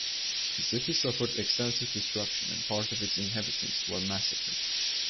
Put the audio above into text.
The city suffered extensive destruction and part of its inhabitants were massacred.